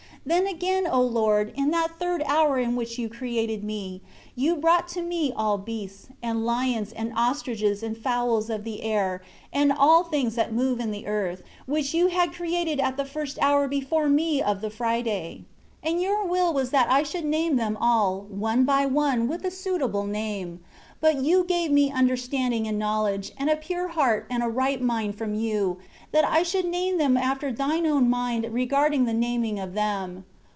7 Then, again, O Lord, in that third hour in which You created me, You brought to me all beasts, and lions, and ostriches, and fowls of the air, and all things that move in the earth, which You had created at the first hour before me of the Friday. 8 And Your will was that I should name them all, one by one, with a suitable name. But You gave me understanding and knowledge, and a pure heart and a right mind from you, that I should name them after Thine own mind regarding the naming of them.